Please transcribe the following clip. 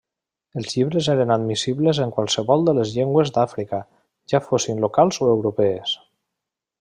Els llibres eren admissibles en qualsevol de les llengües d'Àfrica, ja fossin locals o europees.